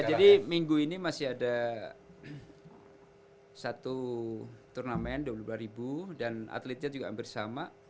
jadi minggu ini masih ada satu turnamen dan atletnya juga hampir sama